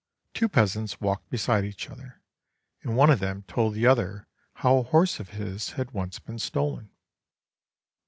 Two peasants walked beside each other, and one of them told the other how a horse of his had once been stolen.